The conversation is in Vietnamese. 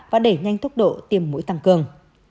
và đẩy nhanh tốc độ tiêm mũi tăng cường